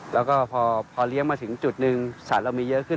แล้วก็พอเลี้ยงมาถึงจุดหนึ่งสัตว์เรามีเยอะขึ้น